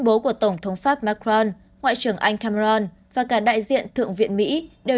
bố của tổng thống pháp macron ngoại trưởng anh cameron và cả đại diện thượng viện mỹ đều